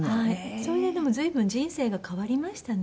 それででも随分人生が変わりましたね。